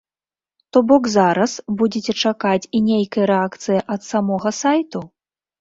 То бок зараз будзеце чакаць і нейкай рэакцыі ад самога сайту?